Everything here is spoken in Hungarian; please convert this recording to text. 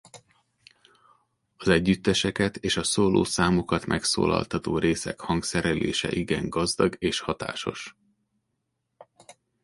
Az együtteseket és a szóló számokat megszólaltató részek hangszerelése igen gazdag és hatásos.